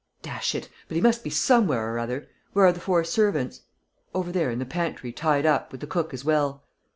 "Dash it! But he must be somewhere or other. Where are the four servants?" "Over there, in the pantry, tied up, with the cook as well."